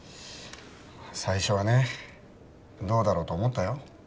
最初はねどうだろうと思ったよ